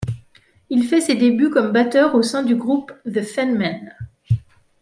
Il fait ses débuts comme batteur au sein du groupe The Fenmen.